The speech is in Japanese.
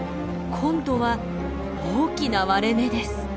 今度は大きな割れ目です。